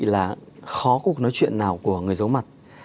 trong những năm tới đây